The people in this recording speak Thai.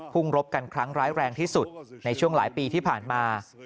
รบกันครั้งร้ายแรงที่สุดในช่วงหลายปีที่ผ่านมา